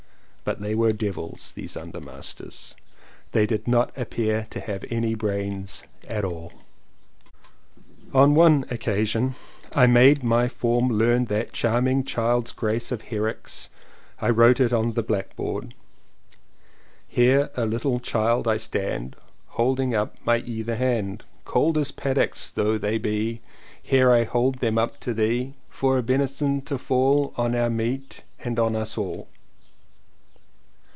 But they were devils! these undermasters, they did not appear to have any brains at aU. 1Q6 LLEWELLYN POWYS On one occasion I made my form learn that charming child's grace of Herrick's — I wrote it on the blackboard: "Here a little child I stand Holding up my either hand, Cold as paddocks though they be Here I hold them up to Thee, For a benison to fall On our meat and on us all."